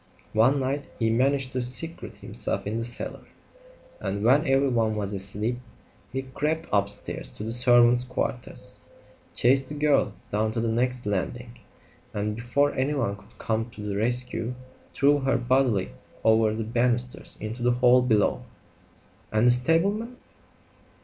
One night he managed to secrete himself in the cellar, and when everyone was asleep, he crept upstairs to the servants' quarters, chased the girl down to the next landing, and before anyone could come to the rescue threw her bodily over the banisters into the hall below." "And the stableman